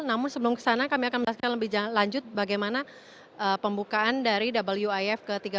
namun sebelum ke sana kami akan melakukan lebih lanjut bagaimana pembukaan dari wif ke tiga belas